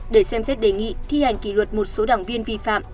để xem xét đề nghị thi hành kỷ luật một số đảng viên vi phạm